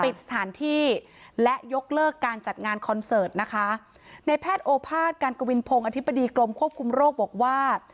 ปิดสถานที่และยกเลิกการจัดงานคอนเสิร์ตนะคะในแพทย์โอภาษย์การกวินพงศ์อธิบดีกรมควบคุมโรคบอกว่า